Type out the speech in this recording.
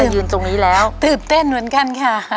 ตื่นเต้นเหมือนกันค่ะ